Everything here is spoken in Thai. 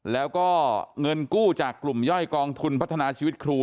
แล้วก็เงินกู้จากกลุ่มย่อยกองทุนพัฒนาชีวิตครู